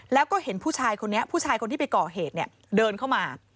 แล้วก็เห็นผู้ชายคนนี้ผู้ชายคนที่ไปก่อเหตุเนี่ยเดินเข้ามา